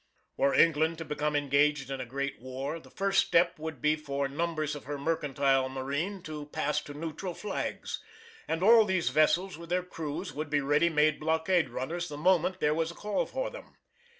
Were England to become engaged in a great war, the first step would be for numbers of her mercantile marine to pass to neutral flags, and all these vessels with their crews would be ready made blockade runners the moment there was a call for them.